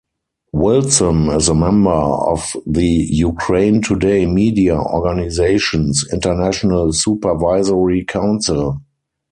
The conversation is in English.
Wilson is a member of the Ukraine Today media organization's International Supervisory Council.